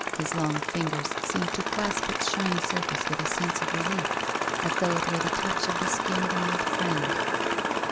His long fingers seemed to clasp its shiny surface with a sense of relief, as though it were the touch of the skin of an old friend.